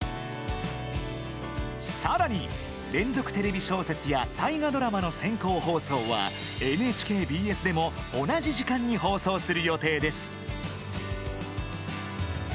さらに「連続テレビ小説」や「大河ドラマ」の先行放送はＮＨＫＢＳでも同じ時間に放送する予定です！